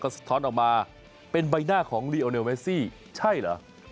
สะท้อนออกมาเป็นใบหน้าของลีโอเลเมซี่ใช่เหรอ